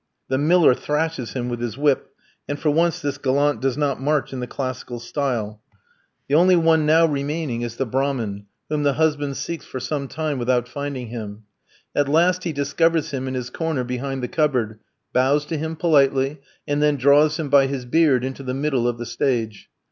The miller thrashes him with his whip, and for once this gallant does not march in the classical style. The only one now remaining is the Brahmin, whom the husband seeks for some time without finding him. At last he discovers him in his corner behind the cupboard, bows to him politely, and then draws him by his beard into the middle of the stage.